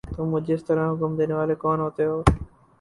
تم مجھے اس طرح حکم دینے والے کون ہوتے ہو؟